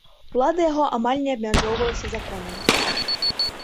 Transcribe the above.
Улада яго амаль не абмяжоўвалася законам.